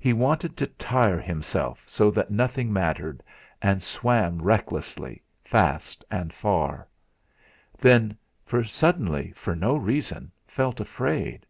He wanted to tire himself so that nothing mattered and swam recklessly, fast and far; then suddenly, for no reason, felt afraid.